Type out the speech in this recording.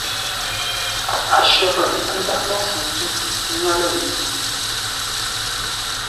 A shərə́ záʼ məfu tʉ̌ ŋə́ lə̂ mbî.